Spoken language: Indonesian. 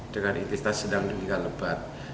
dengan intensitas sedang hingga lebat